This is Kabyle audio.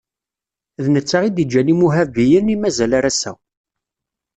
D netta i d-iǧǧan Imuwabiyen, i mazal ar ass-a.